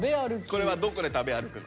これはどこで食べ歩くの？